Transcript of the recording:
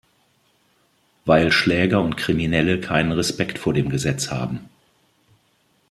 Weil Schläger und Kriminelle keinen Respekt vor dem Gesetz haben.